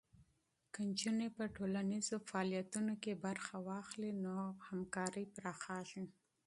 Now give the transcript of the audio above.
که نجونې په ټولنیزو فعالیتونو کې برخه واخلي، نو همکاري پراخېږي.